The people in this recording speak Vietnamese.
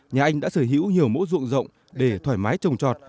nhà anh đã sở hữu nhiều mẫu ruộng rộng để thoải mái trồng trọt